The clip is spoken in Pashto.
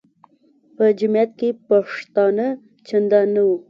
په جمیعت کې پښتانه چندان نه وو.